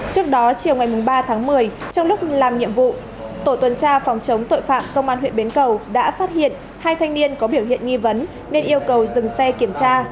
trước đó chiều ngày ba tháng một mươi trong lúc làm nhiệm vụ tổ tuần tra phòng chống tội phạm công an huyện bến cầu đã phát hiện hai thanh niên có biểu hiện nghi vấn nên yêu cầu dừng xe kiểm tra